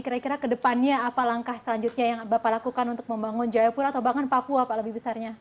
kira kira kedepannya apa langkah selanjutnya yang bapak lakukan untuk membangun jayapura atau bahkan papua pak lebih besarnya